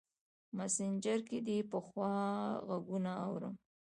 مسینجر کې دې پخوا غـــــــږونه اورم